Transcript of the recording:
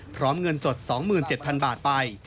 เงินสด๒๗๐๐๐บาทไป